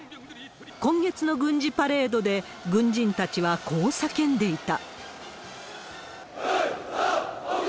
今月の軍事パレードで、軍人たちはこう叫んでいた。